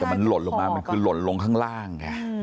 แต่มันหล่นลงข้างล่าง